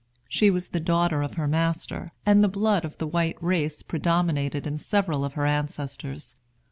She was the daughter of her master, and the blood of the white race predominated in several of her ancestors.